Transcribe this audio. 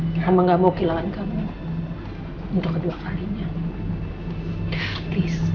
mama gak mau kehilangan kamu untuk kedua kalinya